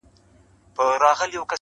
ماسومان زموږ وېريږي ورځ تېرېږي.